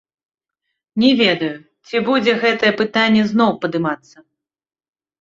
Не ведаю, ці будзе гэтае пытанне зноў падымацца.